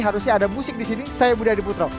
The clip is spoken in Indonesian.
harusnya ada musik di sini saya budi adi putra